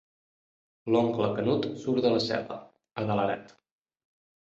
L'oncle Canut surt de la cel·la, adelerat.